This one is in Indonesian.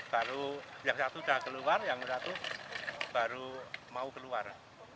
baru yang satu sudah keluar yang satu baru mau keluar